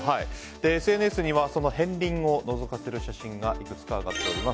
ＳＮＳにはその片鱗をのぞかせる写真がいくつか上がっています。